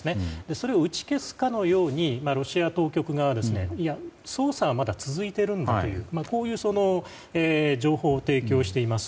それを打ち消すようにロシア当局側は捜査はまだ続いているんだという情報を提供しています。